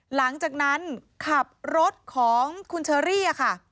หลังจากนั้นขับรถของคุณเชอรี่ค่ะ